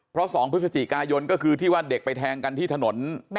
เพราะ๒พฤศจิกายนก็คือที่ว่าเด็กไปแทงกันที่ถนน